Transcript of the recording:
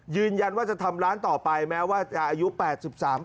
ยืนยันว่าจะทำร้านต่อไปแม้ว่าอายุแปดสิบสามปี